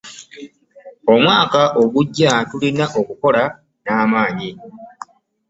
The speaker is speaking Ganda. Omwaka ogugya tulina okukola n'amanyi.